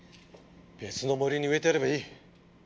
別の森に植えてやればいい。